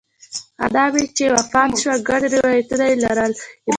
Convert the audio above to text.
انا مې چې وفات شوه ګڼ روایات یې لرل.